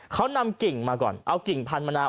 เขานำกิ่งมาก่อนเอากิ่งพันธมะนาว